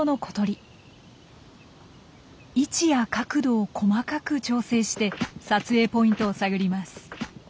位置や角度を細かく調整して撮影ポイントを探ります。